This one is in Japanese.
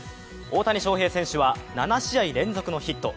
大谷翔平選手は７試合連続のヒット。